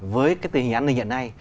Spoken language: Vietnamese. với cái tình hình an ninh hiện nay